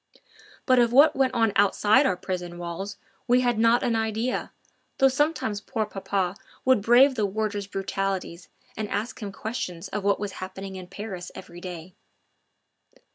But of what went on outside our prison walls we had not an idea, though sometimes poor papa would brave the warder's brutalities and ask him questions of what was happening in Paris every day.